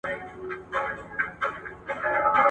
مرکزي کتابتون بې بودیجې نه تمویلیږي.